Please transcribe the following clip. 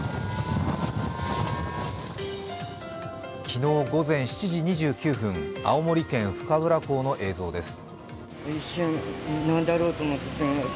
昨日午前７時２９分青森県深浦港の映像です。